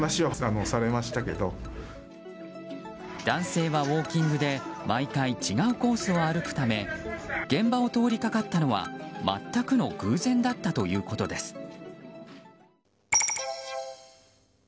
男性はウォーキングで毎回違うコースを歩くため現場を通りかかったのは全くの偶然だったということです。